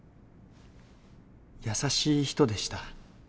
優しい人でした。